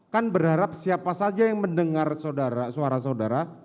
kan berharap siapa saja yang mendengar suara saudara